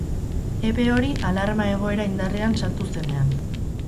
Epe hori alarma-egoera indarrean sartu zenean.